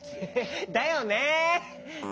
だよね。